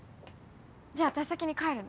じゃあ私先に帰るね。